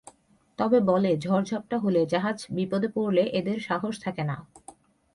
তবে বলে, ঝড়-ঝাপ্টা হলে, জাহাজ বিপদে পড়লে এদের সাহস থাকে না।